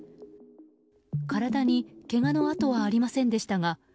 体にけがの痕はありませんでしたが